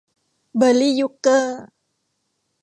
เบอร์ลี่ ยุคเกอร์